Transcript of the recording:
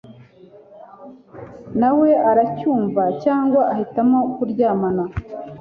nawe uracyumva cyagwa uhitemo kuryamana